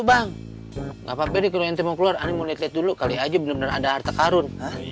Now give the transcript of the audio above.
bang ngapain mau keluar dulu kali aja bener bener ada harta karun